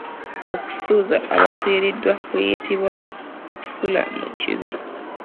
Okusuza abafiiriddwa kuyitibwa Kusula mu kibi.